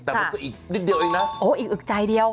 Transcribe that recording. แต่มันคืออีกอึกใจเดียว